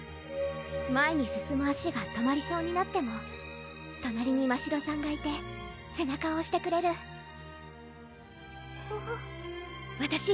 前に進む足が止まりそうになっても隣にましろさんがいて背中をおしてくれるわたし